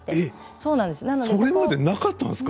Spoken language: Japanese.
それまでなかったんですか？